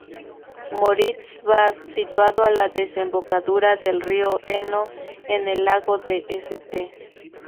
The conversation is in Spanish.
Moritz-Bad, situado a la desembocadura del río Eno en el lago de St.